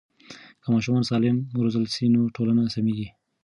که ماشومان سالم وروزل سي نو ټولنه سمیږي.